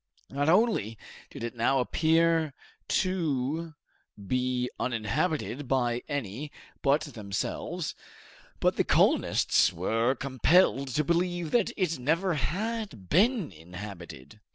Not only did it now appear to be uninhabited by any but themselves, but the colonists were compelled to believe that it never had been inhabited.